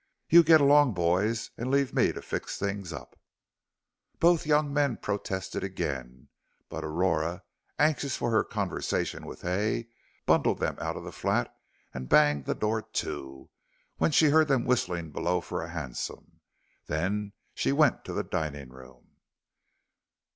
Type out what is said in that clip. You get along, boys, and leave me to fix up things." Both young men protested again; but Aurora, anxious for her conversation with Hay, bundled them out of the flat and banged the door to, when she heard them whistling below for a hansom. Then she went to the dining room.